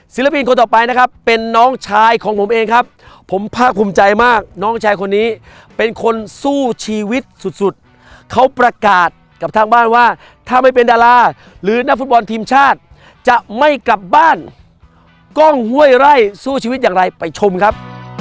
คนต่อไปนะครับเป็นน้องชายของผมเองครับผมภาคภูมิใจมากน้องชายคนนี้เป็นคนสู้ชีวิตสุดสุดเขาประกาศกับทางบ้านว่าถ้าไม่เป็นดาราหรือนักฟุตบอลทีมชาติจะไม่กลับบ้านกล้องห้วยไร่สู้ชีวิตอย่างไรไปชมครับ